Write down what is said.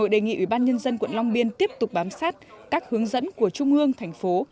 nội đề nghị ubnd quận long biên tiếp tục bám sát các hướng dẫn của trung ương thành phố